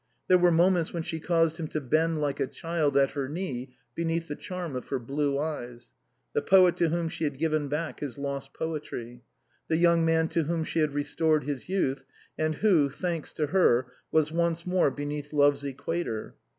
There were moments when she caused him to bend like a child at her knee beneath the charm of her blue eyes — the poet to whom she had given back his lost poetry — the young man to whom she had restored his youth, and who, thanks to her, was once more beneath love's equator.